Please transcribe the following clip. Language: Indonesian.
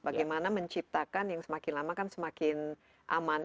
bagaimana menciptakan yang semakin lama kan semakin aman